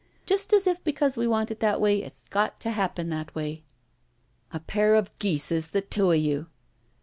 Just as if because we want it that way it's got to happen that way!" *'A pair of geeses, the two of you!"